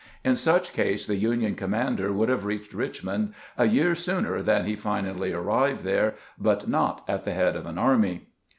In such case the Union commander would have reached Rich mond a year sooner than he finally arrived there, but not at the head of an army.